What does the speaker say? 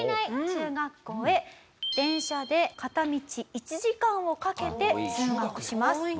電車で片道１時間をかけて通学します。